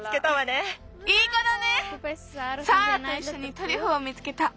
サーラといっしょにトリュフを見つけた。